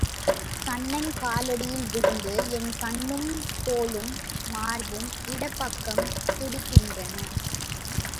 கண்ணன் காலடியில் விழுந்து என் கண்ணும் தோளும் மார்பும் இடப்பக்கம் துடிக்கின்றன.